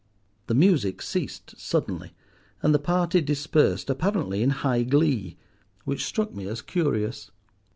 The music ceased suddenly, and the party dispersed, apparently in high glee—which struck me as curious.